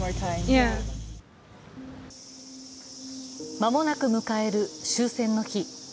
間もなく迎える終戦の日。